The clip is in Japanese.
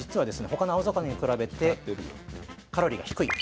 他の青魚に比べてカロリーが低い。